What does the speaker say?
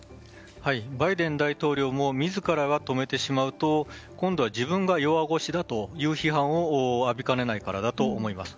バイデン大統領も自らが止めてしまうと今度は自分が弱腰だという批判を浴びかねないからだと思います。